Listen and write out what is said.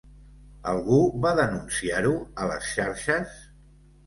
Algú va denunciar-ho a les xarxes?